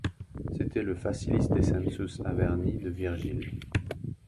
C’était le « facilis descensus Averni » de Virgile.